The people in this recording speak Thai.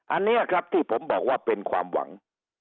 อันนี้ครับที่ผมบอกว่าเป็นความหวัง